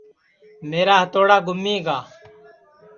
میرا ہتوڑا گُمی گا